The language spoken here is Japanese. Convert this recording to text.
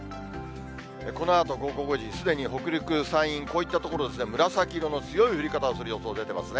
このあと午後５時、すでに北陸、山陰、こういった所、紫色の強い降り方をする予想出てますね。